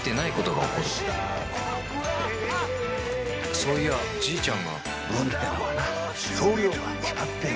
そういやじいちゃんが運ってのはな量が決まってるんだよ。